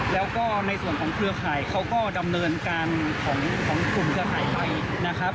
แล้วก็ในส่วนของเครือข่ายเขาก็ดำเนินการของกลุ่มเครือข่ายไปนะครับ